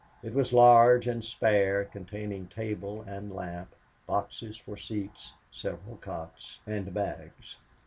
It was large and spare, containing table and lamp, boxes for seats, several cots, and bags.